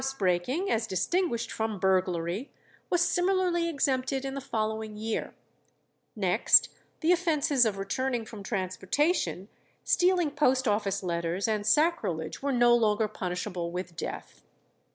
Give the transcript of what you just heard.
House breaking, as distinguished from burglary, was similarly exempted in the following year; next, the offences of returning from transportation, stealing post office letters, and sacrilege were no longer punishable with death.